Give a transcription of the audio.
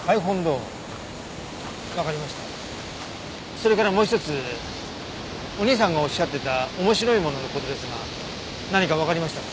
それからもう一つお兄さんがおっしゃってた「面白いもの」の事ですが何かわかりましたか？